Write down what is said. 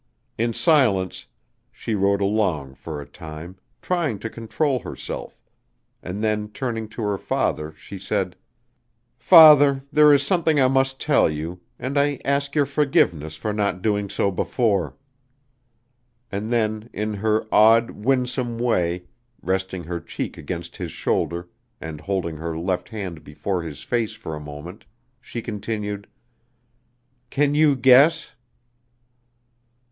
In silence she rode along for a time, trying to control herself, and then turning to her father she said: "Father, there is something I must tell you, and I ask your forgiveness for not doing so before." And then, in her odd, winsome way, resting her cheek against his shoulder and holding her left hand before his face for a moment, she continued: "Can you guess?"